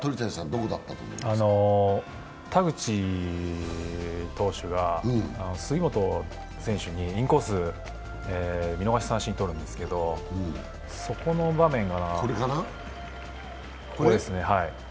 田口投手が杉本選手にインコース、見逃し三振をとるんですけどそこの場面、これですね。